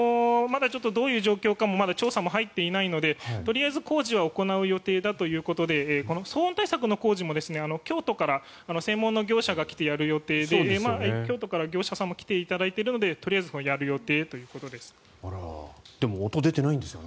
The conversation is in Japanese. まだちょっとどういう状況かも調査が入っていないのでとりあえず工事は行う予定だということで騒音対策の工事も京都から専門の業者が来てやる予定で京都から業者さんも来ていただいているのでとりあえずやる予定ということです。